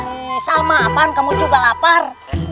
eh sama apaan kamu juga lapar